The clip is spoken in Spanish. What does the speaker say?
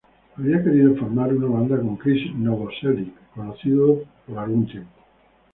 Él había querido formar una banda con Krist Novoselic conocido durante algún tiempo.